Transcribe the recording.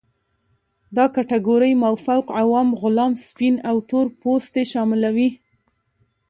دا کټګورۍ مافوق، عوام، غلام، سپین او تور پوستې شاملوي.